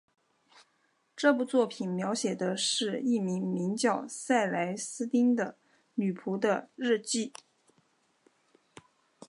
这部作品描写的是一名名叫塞莱丝汀的女仆的日记。